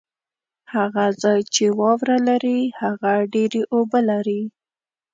هغه ځای چې واوره لري ، هغه ډېري اوبه لري